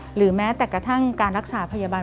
หรือแม้แต่กระทั่งการรักษาพยาบาล